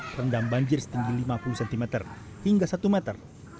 terendam banjir setinggi lima puluh cm hingga satu meter